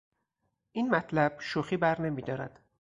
این مطلب شوخی برنمیدارد!